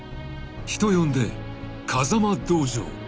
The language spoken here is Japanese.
［人呼んで「風間道場」］